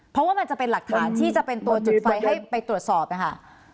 เพราะว่ามันจะเป็นหลักฐานที่จะเป็นตัวจุดไฟให้ไปตรวจสอบนะคะ